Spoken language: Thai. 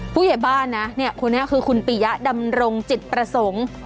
ผู้ใหญ่บ้านนะเนี่ยคนนี้คือคุณปียะดำรงจิตประสงค์